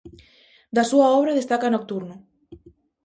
Da súa obra destaca Nocturno.